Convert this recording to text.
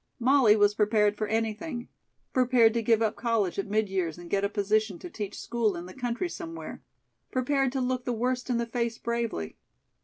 Molly was prepared for anything; prepared to give up college at mid years and get a position to teach school in the country somewhere; prepared to look the worst in the face bravely.